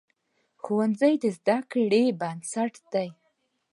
ښوونځی د زده کړې بنسټ دی.